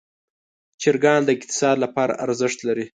چرګان د اقتصاد لپاره ارزښت لري.